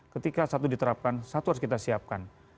ketika satu diterapkan satu harus kita siapkan